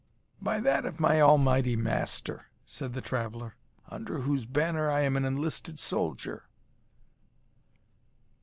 "By that of my Almighty Master," said the traveller, "under whose banner I am an enlisted soldier."